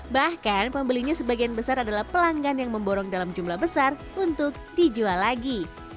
bahkan pembelinya sebagian besar adalah pelanggan yang memborong dalam jumlah besar untuk dijual lagi